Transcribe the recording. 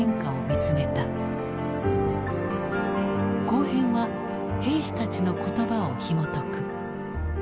後編は兵士たちの言葉をひもとく。